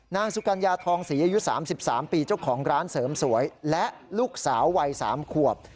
นางสุกัญญาทองศรีอายุ๓๓ปีเจ้าของร้านเสริมสวยและลูกสาววัย๓ขวบ